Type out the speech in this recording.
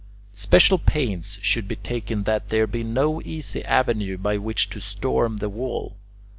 Special pains should be taken that there be no easy avenue by which to storm the wall.